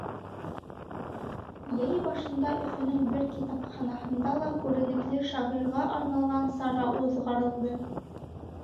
Йәй башында Өфөнөң бер китапханаһында ла күренекле шағирға арналған сара уҙғарылды.